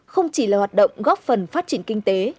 không chỉ là hoạt động góp phần phát triển kinh tế